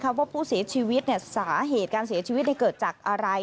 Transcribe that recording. ว่าผู้เสียชีวิตสาเหตุการเสียชีวิตเกิดจากอะไร